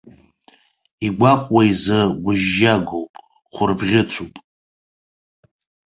Игәаҟуа изы гәыжьжьагоуп, хәырбӷьыцуп.